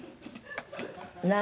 「何？